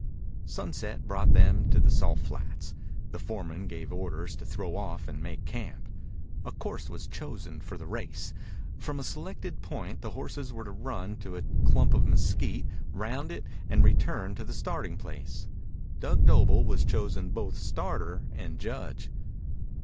Sunset brought them to the Salt Flats. The foreman gave orders to throw off and make camp. A course was chosen for the race. From a selected point the horses were to run to a clump of mesquite, round it, and return to the starting place. Dug Doble was chosen both starter and judge.